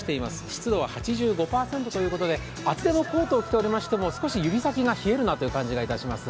湿度は８５％ということで、厚手のコートを着ておりましても少し指先が冷えるなという感じがいたします。